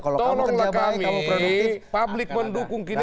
tolonglah kami publik mendukung kita